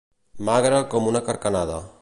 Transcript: Magre com una carcanada.